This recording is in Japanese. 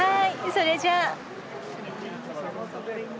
それじゃあ。